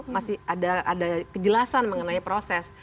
masih ada kejelasan mengenai proses